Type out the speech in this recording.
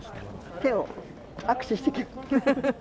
手を握手してきました。